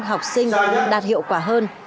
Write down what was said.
học sinh đạt hiệu quả hơn